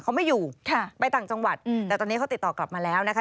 เขาไม่อยู่ค่ะไปต่างจังหวัดแต่ตอนนี้เขาติดต่อกลับมาแล้วนะคะ